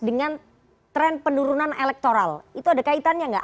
dengan tren penurunan elektoral itu ada kaitannya nggak